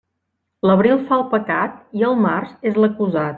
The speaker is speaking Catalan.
L'abril fa el pecat i el març és l'acusat.